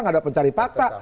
enggak ada pencari fakta